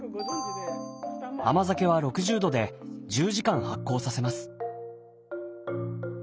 甘酒は６０度で１０時間発酵させます。